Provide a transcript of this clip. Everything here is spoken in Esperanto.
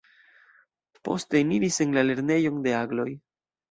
Poste eniris la "Lernejon de Agloj".